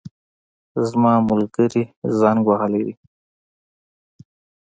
زما ملګري زنګ وهلی دی